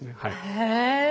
へえ。